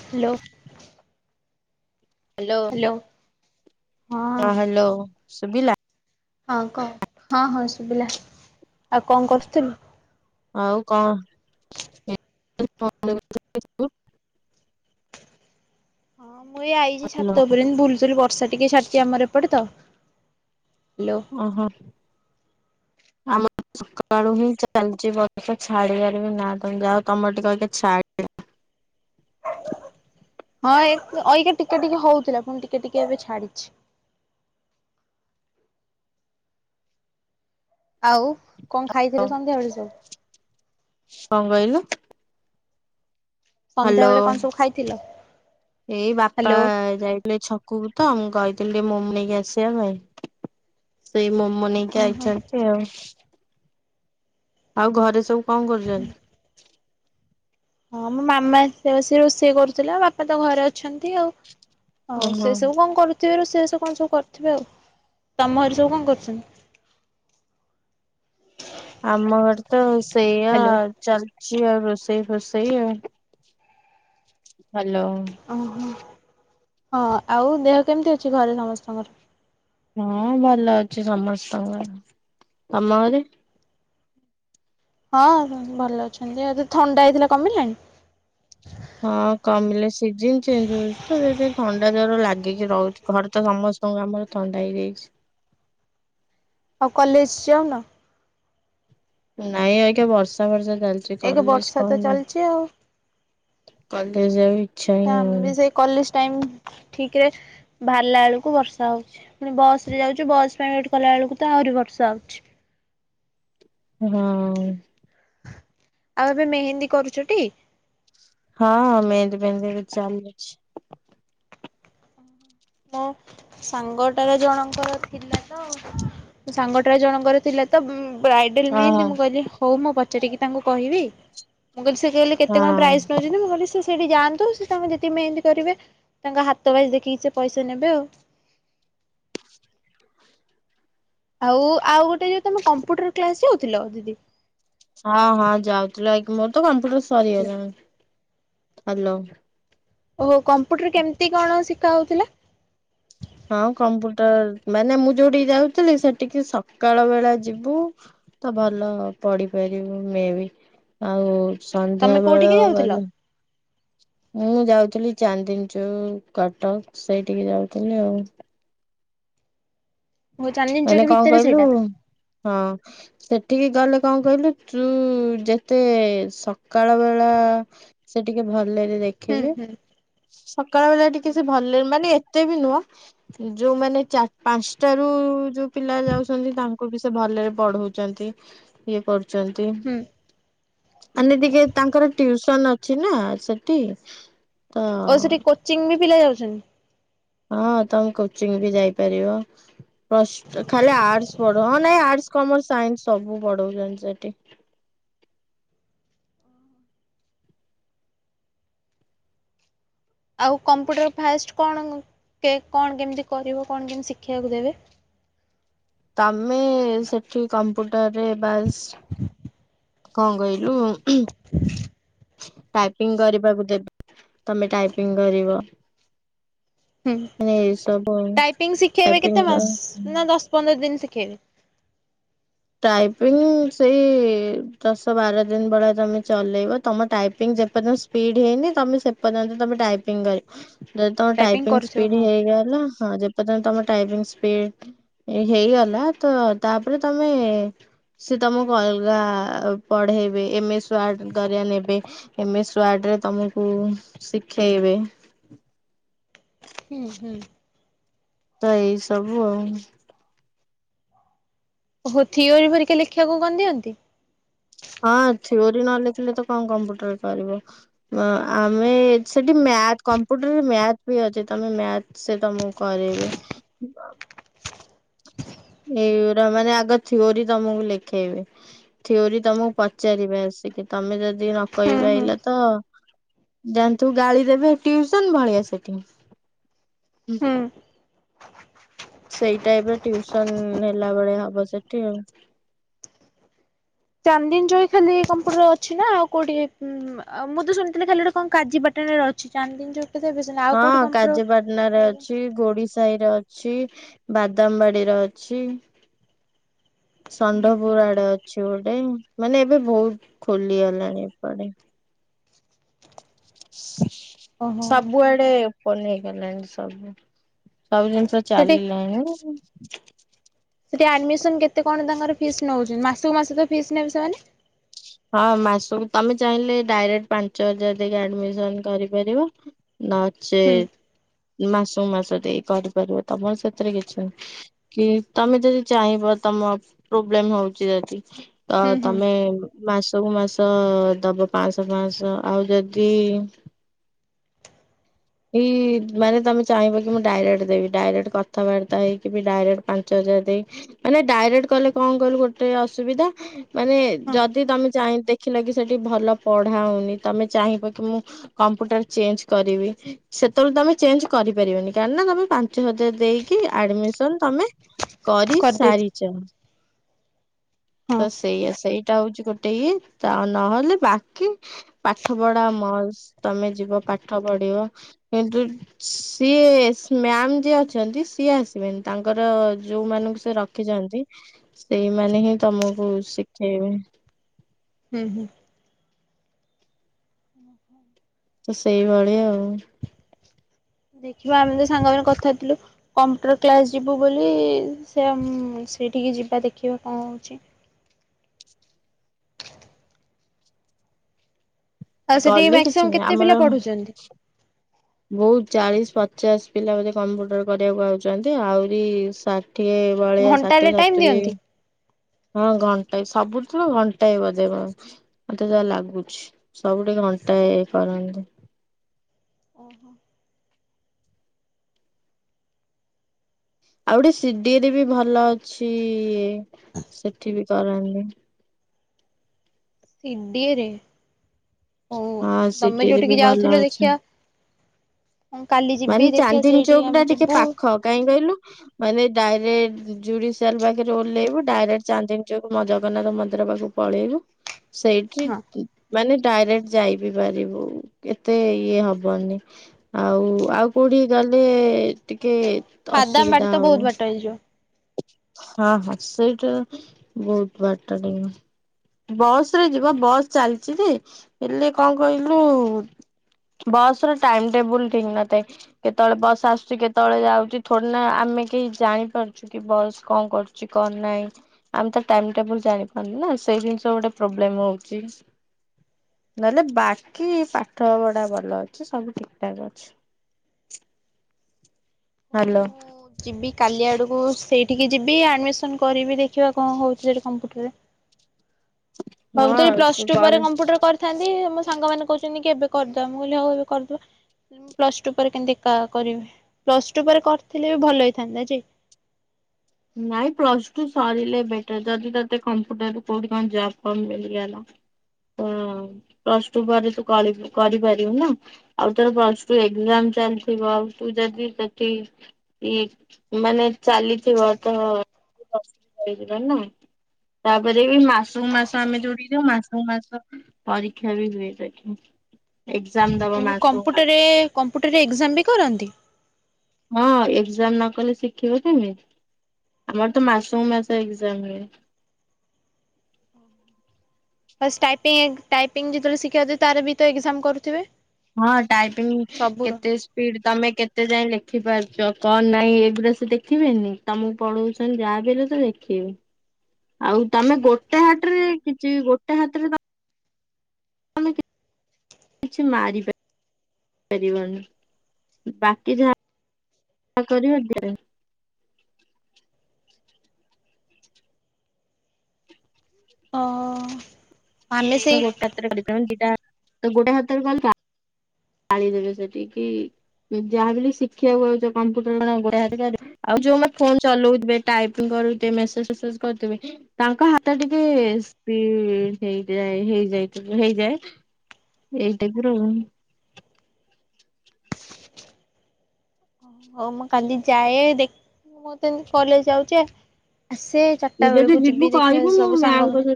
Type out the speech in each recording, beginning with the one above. Hello hello hello ହଁ ହଁ hello ସୁବିଲା ହଁ କଣ ହଁ ହଁ ଶୁଭିଲା ଆଉ କଣ କରୁଥିଲୁ? ଆଉ କଣ [unintelligible] ହଁ ମୁଁ ଏ ଆଇଛି ଛାତ ଉପରେ ଏମିତି ବୁଲୁଥିଲ ବର୍ଷା ଟିକେ ଛା ଚି ଆମର ଏପଟ ତ ହ୍ୟାଲୋ ଓହୋ ଆମର ସକାଳୁ ହିଁ ଚାଲିଛି ବର୍ଷା ଛାଡିବାର ବି ନା ତମେ ଯଉ ତମର ଟିକେ ଛା ହଁଇଗା ଏଇକା ଟିକେ ଟିକେ ହଉଥିଲା ପୁଣି ଟିକେ ଟିକେ ଏବେ ଛାଡିଛି ଆଉ କଣ ଖାଇଥିଲେ ସନ୍ଧ୍ୟାବେଳେ ସବୁ କଣ କହିଲ? ସନ୍ଧ୍ୟା ବେଳେ କଣ ସବୁ ଖାଇଥିଲ? ଏଇ ବାପା ହ୍ୟାଲୋ ଯାଇ ଛକକୁ ତ ମୁ କହିଥିଲି ଟିକେ ମୋମ ନେଇକି ଆସିବା ପାଇଁ ସେଇ ମୋମ ନେଇକି ଓହୋ ହଁ ଯାଇଛନ୍ତି ଆଉ ଆଉ ଘରେ ସବୁ କଣ କରୁଛନ୍ତି? ହଁ ମୋ ମାମା ଆସ ଆସି ରୋଷେଇ କରୁଥିଲା ବାପା ତ ଘରେ ଅଛନ୍ତି ଆଉ ଆଉ ଓହୋ ସେ ସବୁ କଣ କରୁ ସିଏ ରୋସେଇ ବାସ କଣ ସବୁ କରିଥିବେ ଆଉ ତମ ଘର ସବୁ କଣ କରୁଛନ୍ତି? ଆମ ଘର ତ ସେଇୟା ହ୍ୟାଲୋ ଚାଲିଛି ଆଉ ରୋଷେଇ ରଷେଇ ଆଉ ହ୍ୟାଲୋ ଓହୋ ହଁ ଆଉ ଦେହ କେମିତି ଅଛି ଘରେ ସମସ୍ତଙ୍କର ହଁ ଭଲ ଅଛି ସମସ୍ତଙ୍କର ତମ ଘରେ ହଁ ଭଲ ଅଛନ୍ତି ଯି ଥଣ୍ଡା ହେଇଥିଲା କମିଲାଣି ହଁ କମିଲେ ସିଜନ ଚେଞ୍ଜ ହଉଛି ତ ଯଦି ଥଣ୍ଡା ଜର ଲାଗିକି ରହୁଛି ଘରେ ତ ସମସ୍ତେ ତ ଆମର ଥଣ୍ଡା ହେଇଯାଇଛି ଆଉ କଲେଜ ଯାଉନ ନାଇଁ ଆ [unintelligible] ବର୍ଷା ବର୍ଷା ଚାଲିଛି ସେ ଏକ କଲେଜ ବର୍ଷା ତ କଣ ଚାଲିଛି ଆଉ ଜ କଲେଜ ଯିବାକୁ ଇଚଛା ହିଁ ଆମେ ବି ହଉନି ସେଇ କଲେଜ ଟାଇମ୍ ଠିକରେ ବାହାରିଲା ବେଳକୁ ବର୍ଷା ହଉଛି। ପୁଣି ବସ ରେ ଯାଉଛି ବସ୍ ପାଇଁ ୱେଟ କଲା ବେଳକୁ ତ ଆହୁରି ବର୍ଷା ହଉଛି। ହଁ। ଆଉ ଏବେ ମେହେନ୍ଦୀ କରୁଛୁ ଟି? ହଁ ମେହେନ୍ଦୀ ଫେହେନ୍ଦୀ ବି ଚାଲୁଛି। ଅ ସାଙ୍ଗଟାର ଜଣଙ୍କର ଥିଲା ତ। ସାଙ୍ଗଟାର ଜଣଙ୍କର ଥିଲା ତ ବ୍ରାଇଡେଲ ହଁ ମେହେନ୍ଦୀ ମୁଁ କହିଲି ହଉ ମୁଁ ପଚାରିକି ତାଙ୍କୁ କହିବି। ମୁଁ କହିଲି ସେ କହିଲି ହଁ କେତେ କଣ ହଁ ପ୍ରାଇସ୍ ନେଉଛନ୍ତି ମୁଁ କି ସେଇଠି ଯାଆନ୍ତୁ ସେ ତାଙ୍କୁ ଯତିକି ମେହେନ୍ଦୀ କରିବେ ତାଙ୍କ ହାତ ବାଇଜ ଦେଖିକି ସେ ପଇସା ନେବେ ଆଉ। ଆଉ ଆଉ ଗୋଟେ ଯୋଉ ତମେ କମ୍ପ୍ୟୁଟର କ୍ଲାସ ଯାଉଥିଲ ଦିଦି? ହଁ ହଁ ଯାଉଥିଲୁ ଏଖୁ ମୋର ତ କମ୍ପ୍ୟୁଟର ହ୍ୟାଲୋ। ସରିଗଲାଣି ହାଲୋ ଓ କମ୍ପ୍ୟୁଟର କେମିତି କଣ ଶିକା ହଉଥିଲା? ହଁ କମ୍ପୁଟର ମାନେ ମୁଁ ଯୋଉଠିକି ଯାଉଥିଲି ସେଠିକି ସକାଳ ବେଳା ଯିବୁ ତ ଭଲ ପଡି ପାରିବୁ ମେ ବି। ଆଉ ସନ୍ଧ୍ୟା ତମେ ବେଳ କୋଉଠିକି ଯାଉଥିଲ ଗଲେ ମୁଁ ଯାଉଥିଲି ଚାନ୍ଦିନିଚୋକ କଟକ ସେଇଠିକି ଯାଉଥିଲି ଆଉ। ଓ ଚାନ୍ଦିନୀ ମାନେ ଚୌକି କଣ ଭିତରେ କଇଲୁ? ସେଇଟା ହଁ। ସେଠିକି ଗଲେ କଣ କହିଲୁ ତୁ ଯେତେ ସକାଳ ବେଳା ସେ ଟିକେ ଭଲରେ ହୁଁ ଦେଖିବେ। ହୁଁ। ସକାଳ ବେଳା ଟିକେ ସେ ଭଲରେ ମାନେ ଏତେ ବି ନୁହଁ। ଯୋଉମାନେ ଚା ପାଞ୍ଚଟ ରୁ ଯୋଉ ପିଲା ଯାଉଛନ୍ତି ତାଙ୍କୁ ବି ସେ ଭଲରେ ପଢଉଛନ୍ତି। ଇଏ କରୁ ଚନ୍ତି। ହୁଁ ମାନେ ଟିକେ ତାଙ୍କର ଟିଉସନ ଅଛି ନା ସେଠି ତ ଓ ସେଠି କୋଚିଂ ବି ପିଲା ଯାଉଚନ୍ତି? ହଁ ତମେ କୋଚିଂ ବି ଯାଇପାରିବ। ଫଷ୍ଟ ଖାଲି ଆର୍ଟସ ପଢ଼ୁ ହଁ ନାଇଁ ଆର୍ଟସ କମର୍ସ ସାଇନ୍ସ ସବୁ ପଢଉଛନ୍ତି ସେଠି। ଆଉ କମ୍ପ୍ୟୁଟର ଫାଷ୍ଟ କଣ ଉଁ କେ କଣ କେମିତି କରିବ କଣ କେମିତି ଶିଖିବାକୁ ଦେବେ? ତମେ ସେଠି କମ୍ପ୍ୟୁଟରରେ ବାସ, କଣ କହିଲୁ? ଟାଇପିଂ କରିବାକୁ ଦେବେ। ତମେ ଟାଇପିଂ କରିବ। ହୁଁ ମାନେ ଏଇ ସବୁ ଟାଇପିଙ୍ଗ ଶିଖେଇବେ ଟାଇପିଂ କେତେ ମାସ ନା ଦଶ ପନ୍ଦର ଦିନ ଶିଖେଇବେ? ଟାଇପିଙ୍ଗ ସେଇ ଦଶ ବାର ଦିନ ଭଳିଆ ତମେ ଚଲେଇବ। ତମ ଟାଇପିଙ୍ଗ ଯେପର୍ଯ୍ୟ [unintelligible] ସ୍ପିଡ ହେଇନି ତମେ ସେ ପର୍ଯ୍ୟନ୍ତ ତମେ ଟାଇପିଙ୍ଗ କରିବ। ଯଦି ତମ ଟାଇପିଂ ଟାଇପିଙ୍ଗ କରୁଥିବ ସ୍ପିଡ ହଁ ହେଇଗଲା ହଁ ଯେ ପର୍ଯ୍ୟନ୍ତ ତମ ଟାଇପିଙ୍ଗ ସ୍ପିଡ ହେଇଗଲା ତ ତାପରେ ତମ ମେ ସେ ତମକୁ ଅଲଗା ପଢେଇବେ। ଏମଏସ ୱାର୍ଡ କରିଆ ନେବେ। ଏମ୍ଏସ ୱାର୍ଡ଼ରେ ତୁମକୁ ଶିଖେଇବେ ହୁଁ ହୁଁ। ତ ଏଇ ସବୁ ଆଉ। ଓହୋ ଥିଓରି ଭରିକା ଲେଖିବାକୁ କଣ ଦିଅନ୍ତି? ହଁ ଥିଓରି ନ ଲେଖିଲେ ତ କଣ କମ୍ପ୍ୟୁଟର ପାରିବ? ଅ ଆମେ ସେଠି ମ୍ୟାଥ କମ୍ପ୍ୟୁଟରରେ ମ୍ୟାଥ ବି ଅଛି ତମେ ମ୍ୟାଥ ସେ ତମକୁ କରେଇବେ। ଏଇଗୁରା ମାନେ ଆଗ ଥିଓରି ତମକୁ ଲେଖେଇବେ। ଥିଓରି ତମକୁ ପଚାରିବେ ଆସିକି ତମେ ଯଦି ରପ୍ ହୁଁ କହି ହୁଁ ପାଇଲ ତ ଯାଆନ୍ତୁ ଗାଳି ଦେବେ ଟ୍ୟୁସନ ଭଳିଆ ସେଠି ହୁଁ। ସେଇଟା ଏବେ ଟିଉସନ ହେଲା ଭଳିଆ ହବ ସେଠି ଆଉ। ଚାନ୍ଦିନିଚୌକି ଖାଲି କମ୍ପୁଟର ଅଛି ନା, ଆଉ କୋଉଠି ଉଁ? ଆ ମୁଁ ତ ଶୁଣିଥିଲି ଖାଲି ଗୋଟେ କଣ କାଜି ପାଟଣରେ ଅଛି, ଚାନ୍ଦିନୀଚୌକି ହଁ କାଜିପାଟଣା ରେ ଅଛି, ଗୋଡିଶ ସାହି ରେ ଅଛି, ବାଦାମବାଡିର ଅଛି। ଷଣ୍ଢପୁର ଆଡେ ଅଛି ଗୋଟେ ମାନେ ଏବେ ବହୁତ ଖୋଲିଗଲାଣି ଏପଟେ। ଓହୋ ସବୁଆଡେ ପଲିଗଲାଣି ସବୁ ସବୁ ଜିନି ତ ସେଠି ଚାଲିଲାଣି। ସେଠି ଆଡମିସନ କେତେ କଣ ତାଙ୍କର ଫିସ୍ ନଉଚନ୍ତି, ମାସକୁ ମାସ ତ ଫିସ୍ ନେବେ ସେମାନେ? ହଁ ମାସକୁ ତମେ ଚାହିଁଲେ ଡାଇରେକ୍ଟ ପାଞ୍ଚ ହଜାର ଦେଇକି ଆଡମିସନ କରିପାରିବ। ହୁଁ ନଚେତ୍ ମାସକୁ ମାସ ଦେଇ କରିପାରିବ, ତମର ସେଥିରେ କିଛି କି ତମେ ଯଦି ଚାହିଁବ ତମ ପ୍ରୋବ୍ଲେମ ହଉଚି ଯଦି ତ ହୁଁ ହୁଁ ତମେ ମାସକୁ ମାସ ଦବ ପାଞ୍ଚଶହ ପାଞ୍ଚଶହ ଆଉ ଯଦି ଏଇ ମାନେ ତମେ ଚାହିଁବ କି ମୁଁ ଡାଇରେକ୍ଟ ଦେବି ଡାଇରେକ୍ଟ କଥାବାର୍ତ୍ତା ହେଇକି ଡାଇରେକ୍ଟ ପାଞ୍ଚ ହଜାର ଦେଇ ମାନେ ଡାଇରେକ୍ଟ କଲେ କଣ କହିଲୁ ଗୋଟେ ଅସୁବିଧା ମାନେ ହଁ ଯଦି ତମେ ଚାହିଁ ଦେ ଦେଖିଲ କିି ସେଠି ଭଲ ପଢା ହଉନି, ତମେ ଚାହିଁବ କି ମୁଁ କମ୍ପ୍ୟୁଟର ଚେଞ୍ଜ କରିବି ସେତେବେଳେ ତମେ ଚେଞ୍ଜ କରିପାରିବନି କାହିିକି ନା ତମେ ପାଞ୍ଚ ହଜାର ଦେଇକି ଆଡମିସନ ତମେ କରିଦେଇଛି କରିସାରିଚ। ହଁ ତ ସେଇଆ ସେଇଟା ହଉଛି ଗୋଟେ ଇଏ, ତ ନହେଲେ ବାକି ପାଠ ପଢା ମସ୍ତ ତମେ ଯିବ ପାଠ ପଢିବ କିନ୍ତୁ ସିଏ ମ୍ୟାମ ଯିଏ ଅଛନ୍ତି ସିଏ ଆସିବେନି, ତାଙ୍କର ଯୋଉ ମାନଙ୍କୁ ସେ ର ଖିଛନ୍ତି, ସେଇମାନେ ହିଁ ତମକୁ ଶିଖେଇବେ। ହୁଁ ହୁଁ। ସେଇଭଳିଆ ଆଉ। ଦେଖିବା ଆମେ ତ ସାଙ୍ଗମାନେ କଥା ହେଇଥିଲୁ। କମ୍ପ୍ୟୁଟର କ୍ଲାସ୍ ଯିବୁ ବୋଲି ସେ ସେଇଠିକି ଯିବା ଦେଖିବା କଣ ହେଉଛି। ଆଉ ସେଠି ଗଲେ କିଛି ମାକ୍ସିମମ୍ ନାହିଁ, କେତେ ପିଲା ଆମର ପଢୁଛନ୍ତି? ବହୁତ ଚାଳିଶ ପଚାଶ ପିଲା ବୋଧେ କମ୍ପ୍ୟୁଟର କରିବାକୁ ଆଉଛନ୍ତି। ଆହୁରି ଷାଠିଏ ବଳିଆ ଘଣ୍ଟାରେ ଷାଠିଏ ଟାଇମ ସତୁରି ଦିଅନ୍ତି? ହଁ ଘଣ୍ଟାଏ ସବୁଥିରୁ ଘଣ୍ଟାଏ ବଜେଇବ, ମତେ ଯାହା ଲାଗୁଛି। ସବୁଠି ଘଣ୍ଟାଏ ଇଏ କରନ୍ତି। [unintelligible] ଆଉ ଗୋଟେ ସିଡିଏରେ ବି ଭଲ ଅଛି ସେଠି ବି କରନ୍ତି। ସିଡିଏ ରେ। ହଁ ସିଦିଏ ରେ ଯୋଉଠିକି ବି ଯାଉଥିଲ ଭଲ ଅଛ। ଦେଖିଆ ହଁ କାଲି ମାନେ ଯିବି ଦେଖିଆ ସେଇଠି ଚାନ୍ଦିନୀଚୌକ ଟା ଆମେ ଟିକେ ଯିବୁ ପାଖ କାହିଁ କହିଲୁ ମାନେ ଡାଇରେକ୍ଟ ଜୁଡିସିଆଲ ପାଖେରେ ଓହ୍ଲେଇବୁ ଡାଇରେକ୍ଟ ଚାନ୍ଦିନ ଚୌକ ଜଗନ୍ନାଥ ମନ୍ଦିର ପାଖକୁ ପଳେଇବୁ, ସେଇଠି ହଁ ମାନେ ଡାଇରେକ୍ଟ ଯାଇ ବିି ପାରିବୁ, ଏତେ ଇଏ ହବନି। ଆଉ ଆଉ କୋଉଠି ଗଲେ ଟିକେ ଅସୁବିଧା ହବ। ଟାଇଲ୍ ଯିବ। ହଁ ହଁ ସେଇଟା ବହୁତ ବାଟ ଟିକେ। ବସ ରେ ଯିବ ବସ ଚାଲିଛି ଯେ, ହେଲେ କଣ କହିଲୁ ବସ୍ ର ଟାଇମ୍ ଟେବୁଲ୍ ଠିକ୍ ନଥାଏ। କେତେବେଳେ ବସ୍ ଆସୁଛି କେତେବେଳେ ଯାଉଛି ଥୋଡ଼ିନା ଆମେ କେହି ଜାଣିପାରୁ ଛୁ କି ବସ୍ କଁ କରୁଛି କଁ ନାହିଁ। ଆମେ ତ ଟାଇମ୍ ଟେବୁଲ ଜାଣି ପାରନୁ ନା, ସେଇ ଜିନିଷ ଗୋଟେ ପ୍ରୋବ୍ଲେମ୍ ହୋଉଛି। ନହେଲେ ବାକି ପାଠ ପଢ଼ା ଭଲ ଅଛି ସବୁ ଠିକ ଠାକ୍ ଅଛି। ହାଲୋ। ଯିବି କାଲି ଆଡ଼କୁ ସେଇଠିକି ଯିବି ଆଡ଼ମିଶନ କରିବି ଦେଖିବା କଁ ହୋଉଛି ସେଠି କମ୍ପୁଟରରେ। ହବୁ ତ ଏଇ ହଁ ପ୍ଲସ୍ ସେ ଟୁ ପରେ ବାର କମ୍ପ୍ୟୁଟର କରିଥାନ୍ତି ମୋ ସାଙ୍ଗ ମାନେ କହୁଛନ୍ତି କି ଏବେ କରିଦବା, ମୁଁ କହିଲି ହଉ ଏବେ କରିଦବା। ମୁଁ କହିଲି ପ୍ଲସ୍ ଟୁ ପରେ କେମତି ଏକା କରିବି ପ୍ଲସ ଟୁ ପରେ କରିଥିଲେ ବି ଭଲ ହେଇଥାନ୍ତା ଯେ। ନାଇଁ ପ୍ଲସ୍ ଟୁ ସାରିଲେ ବେଟର ଯଦି ତତେ କମ୍ପୁଟର ରୁ କୋଉଠି କଣ ଜବ୍ ଫବ୍ ମିଳିଗଲା। ହୁଁ ପ୍ଲସ୍ ଟୁ ପରେ ତୁ କଳିବୁ କରିପାରିବୁ ନା। ଆଉ ତୋର ପଲ୍ସ ଟୁ ଏଗ୍ଜାମ ଚାଲିଥିବ ଆଉ ତୁ ଯଦି ସେଠି ଇକ୍ ମାନେ ଚାଲିଥିବ ତ [unintelligible] ହେଇଯିବ ନା। ତାପରେ ବି ମାସୁକୁ ମାସ ଆମେ ଯୋଉଠି କି ଯିବୁ ମାସୁକୁ ମାସ ପରୀକ୍ଷା ବି ହୁଏ ସେଠି। ଏକ୍ଜାମ ଦବ ଓହୋ ମାସକୁ ମାସ କମ୍ପୁଟରରେ କମ୍ପୁଟରରେ ଏଗ୍ଜାମ ବି କରନ୍ତି? ହଁ ଏକ୍ଜାମ ନ କଲେ ଶିଖିବ କେମିତି? ଆମର ତ ମାସକୁ ମାସ ଏଗ୍ଜାମ୍ ହୁଏ। ଷ୍ଟାଟିଙ୍ଗ୍ ଟାଇପିଙ୍ଗ ଯେତେବେଳେ ଶିଖିବାକୁ ଯାଉଛୁ ତାର ବି ତ ଏଗ୍ଜାମ କରୁଥିବେ? ହଁ ଟାଇପିଂ ସବୁର। କେତେ ସ୍ପିଡ଼୍ ତମେ କେତେ ଯାଏ ଲେଖିପାରୁଛ କଣ ନାହିଁ ଏଗୁଡା ସେ ଦେଖିବେନି ତମକୁ ପଢ଼ୁଉଛ ତେଣୁ ଯାହା ବି ହେଲେ ସେ ଦେଖିବେ। ଆଉ ତମେ ଗୋଟେ ଗୋଟେ ହାଟରେ କିଛି ଗୋଟେ ହାତରେ ତମେ କିଛି ମାରି ପା ପାରିବନି ବାକି ଯାହା କରିବ [unintelligible] ଅ ତମେ ଗୋଟେ ହାତରେ [unintelligible] ଦିଟା ତ ଗୋଟେ ହାତରେ ଗଲା। ପାଳିଦେବେ ସେଠି କି, ଯାହା ବି ହେଲେ ଶିଖିବାକୁ ଆଉଛ କମ୍ପ୍ୟୁଟର କଣ ଆଉ ଗୋଡ଼ [unintelligible] ଆଉ ଯୋଉମାନେ ଫୋନ୍ ଚଲଉଥିବେ ଟାଇପିଙ୍ଗ କରୁଥିବେ ମେସେଜ ଫେସେଜ କରୁଥିବେ ତାଙ୍କ ହାତ ଟିକେ ସ୍ପିଡ଼୍ ହେଇଯାଏ ହେଇଯାଇ ଥିବା ହେଇଯାଏ। ଏଇ ଡ଼ିଗୁରୁ ହଉ ମୁଁ କାଲି ଯାଏ ଦେଖ ମୁଁ ତ ଏମତି କଲେଜ ଯାଉଛେ ଆସେ ଚାରଟା ତୁ ଯଦି ବେଳକୁ ଯିବି ଦେଖିବା ସବୁ ସାଙ୍ଗମାନେ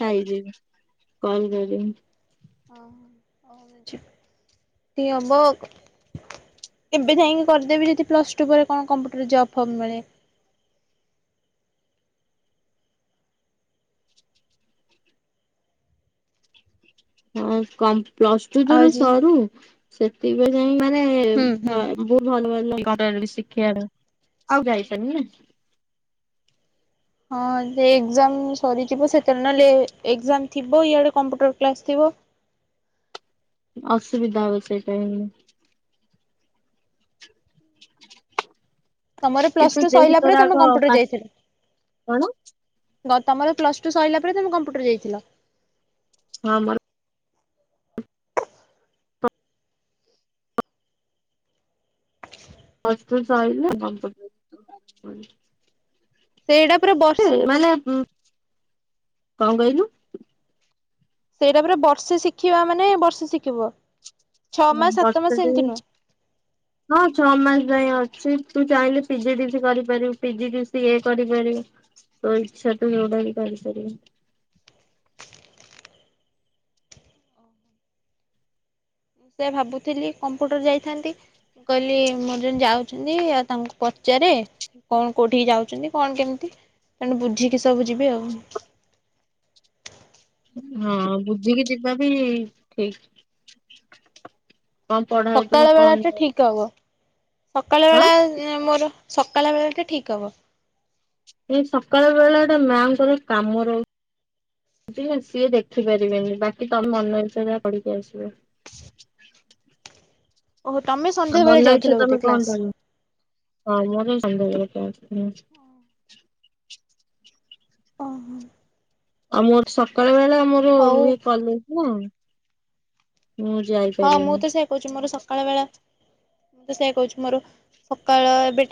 ଖାଇଯିବି କଲ କରିିମ୍ ଓହୋ ହୋଉ [unintelligible] ଯଦି ହେବ ଏବେ ଯାଇଁକି କରିଦେବି ଯଦି ପ୍ଲସ୍ ଟୁ ପରେ କଣ କମ୍ପ୍ୟୁଟର ଜବ ଫବ୍ ମିଳେ। ହଁ କମ୍ ପ୍ଲସ ଟୁ ଆଉ ତୋର ଆଜି ସରୁ। ସେଥିପାଇ ଯାଇ ମାନେ ହୁଁ ହୁଁ। ଭା ବହୁତ ଭଲ ଭଲ କରେଇଲି ଶିଖେଆର। ଆଉ ଯାଇଛନ୍ତି ନା? ହଁ ଯେ ଏଗ୍ଜାମ ସରିଯିବ ସେତେବେଳେ, ନହେଲେ ଏଗ୍ଜାମ ଥିବ ଇଆଡ଼େ କମ୍ପ୍ୟୁଟର କ୍ଲାସ ଥିବ। ଅସୁବିଧା ହୁଏ ସେଇ ପାଇଁ। ତମର ପ୍ଲସ୍ କିନ୍ତୁ ଟୁ ଦେଖ ସଇଲା ତୋର ପରେ ଆଗ ତମେ କମ୍ପ୍ୟୁଟର ପା ଯାଇଥିଲ? କଣ ନ ତମର ପ୍ଲସ୍ ଟୁ ସଇଲା ପରେ ତମେ କମ୍ପ୍ୟୁଟର ଯାଇଥିଲ? ହଁ ମୋର ପ୍ଲସ୍ ଟୁ ସଇଲା କମ୍ପୁଟର ସେଟା ପୁରା ବର୍ଷ ମାନେ ବୁଁ କଁ କହିଲୁ? ସେଇଟା ପୁର ବର୍ଷେ ଶିଖିବା ମାନେ ବର୍ଷେ ଶିଖିବ ଛଅ ମାସ ସାତ ମାସ ବର୍ଷଟେ ଏମିତି ନୁହଁ। ହଁ ଛଅ ମାସ ଯାଏ ଅଛି। ତୁ ଚାହିଁଲେ ପିଜି ଡି ସି କରିପାରିବୁ ପିଜି ଡି ସି ଏ କରିପାରିବୁ। ତୋ ଇଛା ତୁ ଯୋଉଟା ବି କରିପାରିବୁ। ସେ ଭାବୁଥିଲି କମ୍ପୁଟର ଯାଇଥାନ୍ତି। ମୁଁ କହିଲି ମୋର ଯାଉଛନ୍ତି ଆଉ ତାଙ୍କୁ ପଚାରେ କଣ କୋଉଠିକି ଯାଉଛନ୍ତି କଣ କେମିତି ତଣୁ ବୁଝିକି ସବୁ ଯିବେ ଆଉ। ହଁ ବୁଝିକି ଯିବା ବି ଠିକ୍। କଣ ପଢା ସକାଳ ହଉଥିବ ବେଳା କଣ ଟା - - ଠିକ ହବ ସକାଳ ବେଳା ମୋର ସକାଳ ବେଳା ଟା ଠିକ ହବ। ଏଇ ସକାଳ ବେଳେ ଏଟା ମାଆ ଙ୍କର କାମ ରହୁଚି। ସିଏ ଦେଖିପାରିବେନି ବାକି ତମେ ମନ ଇଚ୍ଛା ଯାହା କରିପାରିବ। ଓହୋ ତମେ ଆଉ ସନ୍ଧ୍ୟା ବେଳେ ମନ ଯାଉଥିଲ ଇଚ୍ଛା ବୋଧେ ତମେ କଁ କ୍ଲାସ କରିବ। ହଁ ମୋର ଓହୋ ଆଉ ମୋର ସକାଳ ବେଳେ ମୋର ହଉ। କଲେଜ ନା ମୁଁ ଯାଇ ହଁ ମୁଁ ତ ସେଇଆ କହୁଚି ମୋର ସକାଳ ବେଳା ମୁଁ ତ ସେଇଆ କହୁଚି ମୋର ସକାଳ ଏବେ- -